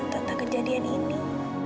tentang kejadian ini